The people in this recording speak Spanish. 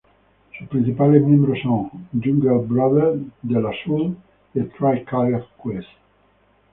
Sus principales miembros son Jungle Brothers, De La Soul y A Tribe Called Quest.